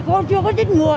cô chưa có chích ngựa